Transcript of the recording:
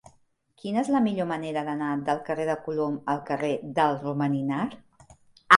Quina és la millor manera d'anar del carrer de Colom al carrer del Romaninar?